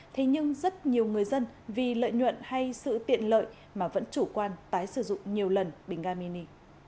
thế nhưng rất nhiều người dân vì lợi nhuận hay sự tiện lợi mà vẫn chủ quan tái sử dụng nhiều lần bình ga mini